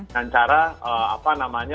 dan cara apa namanya